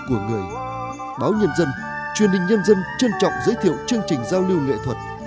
của người báo nhân dân truyền hình nhân dân trân trọng giới thiệu chương trình giao lưu nghệ thuật